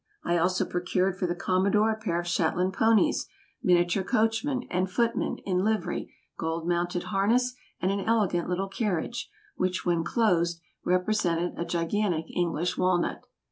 I also procured for the Commodore a pair of Shetland ponies, miniature coachman and footman, in livery, gold mounted harness and an elegant little carriage, which, when closed, represented a gigantic English walnut.